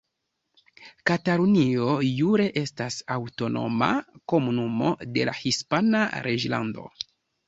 Katalunio jure estas aŭtonoma komunumo de la Hispana reĝlando.